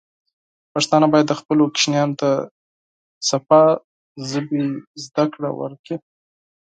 پښتانه بايد خپلو ماشومانو ته د پاکې ژبې زده کړه ورکړي.